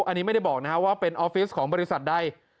อันนี้ไม่ได้บอกว่าเป็นออฟฟิศของบริษัทใด